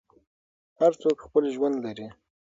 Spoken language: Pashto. هر څوک خپل ژوند لري.